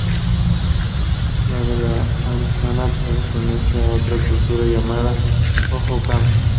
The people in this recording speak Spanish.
Las de Arizona pertenecen a otra cultura, llamada hohokam.